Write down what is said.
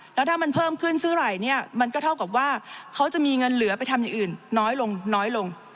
แล้วถ้ามันเพิ่มขึ้นเท่าไหร่เนี่ยมันก็เท่ากับว่าเขาจะมีเงินเหลือไปทำอย่างอื่นน้อยลงน้อยลง